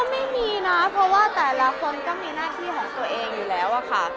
ไม่มีนะเพราะว่าแต่ละคนก็มีหน้าที่ของตัวเองอยู่แล้วอะค่ะ